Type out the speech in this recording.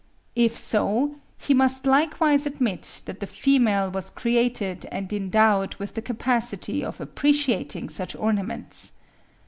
If so, he must likewise admit that the female was created and endowed with the capacity of appreciating such ornaments.